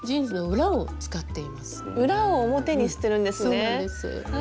裏を表にしてるんですね。